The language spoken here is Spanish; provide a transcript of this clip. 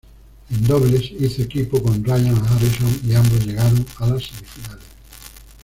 En dobles, hizo equipo con Ryan Harrison y ambos llegaron a las semifinales.